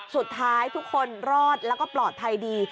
สุดท้ายทุกคนรอดแล้วก็ปลอดภัยดี